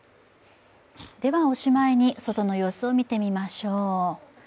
おしまいに、外の様子を見てみましょう。